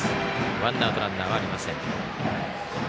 ワンアウト、ランナーはいません。